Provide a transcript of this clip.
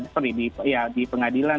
sorry di pengadilan